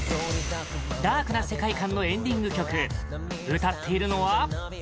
ダークな世界観のエンディング曲歌っているのは